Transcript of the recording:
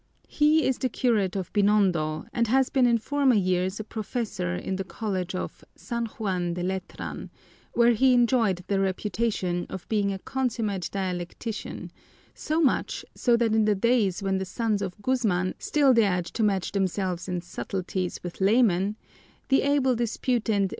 He is the curate of Binondo and has been in former years a professor in the college of San Juan de Letran, where he enjoyed the reputation of being a consummate dialectician, so much so that in the days when the sons of Guzman still dared to match themselves in subtleties with laymen, the able disputant B.